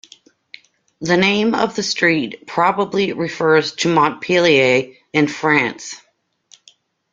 The name of the street probably refers to Montpellier in France.